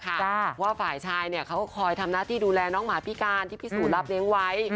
เพราะว่าฝ่ายชายเนี่ยเขาคอยทำหน้าที่ดูแลน้องหมาพิการที่พี่สูจนรับเลี้ยงไว้